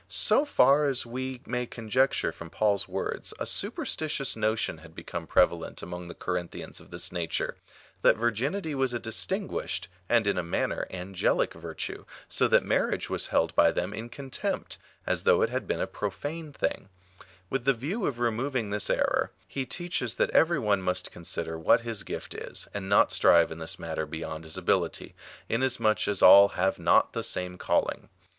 So far as we may con jecture from Paul's words, a superstitious notion had become prevalent among the Corinthians of this nature — that vir ginity was a distinguished, and in a manner angelic virtue, so that marriage was held by thpm in contempt, as though it had been a profane thing^^With the view of removing this error, he teaches that every one must consider what his gift is, and not strive in this matter beyond his ability, in asmuch as all have not the same calling.